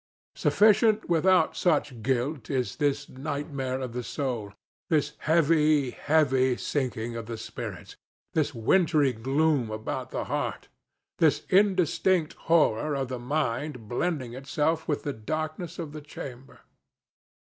Sufficient without such guilt is this nightmare of the soul, this heavy, heavy sinking of the spirits, this wintry gloom about the heart, this indistinct horror of the mind blending itself with the darkness of the chamber.